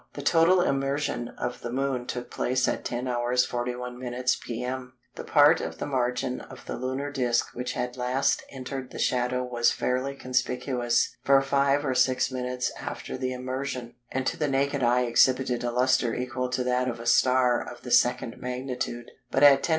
The total immersion of the Moon took place at 10h. 41m. p.m. The part of the margin of the lunar disc which had last entered the shadow was fairly conspicuous for 5 or 6 minutes after the immersion, and to the naked eye exhibited a lustre equal to that of a star of the 2nd magnitude; but at 10h.